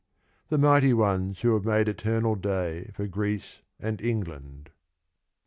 The mighty ones who have made eternal day For Greece and England. (II.